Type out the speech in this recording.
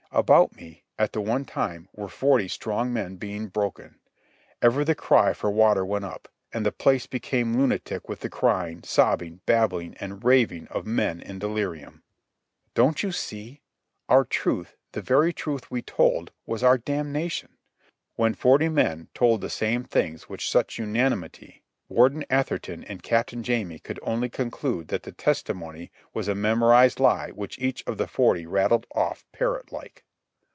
About me, at the one time, were forty strong men being broken. Ever the cry for water went up, and the place became lunatic with the crying, sobbing, babbling and raving of men in delirium. Don't you see? Our truth, the very truth we told, was our damnation. When forty men told the same things with such unanimity, Warden Atherton and Captain Jamie could only conclude that the testimony was a memorized lie which each of the forty rattled off parrot like.